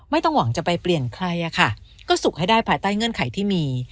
ไม่ต้องหวังจะไปเปลี่ยนใครอะค่ะก็สุขให้ได้ภายใต้เงื่อนไขที่มี